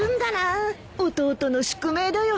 弟の宿命だよ。